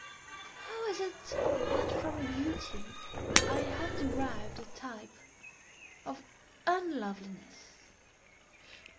How is it that from beauty I have derived a type of unloveliness?